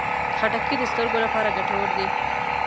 خټکی د سترګو لپاره ګټور دی.